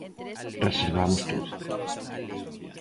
Reservamos todo.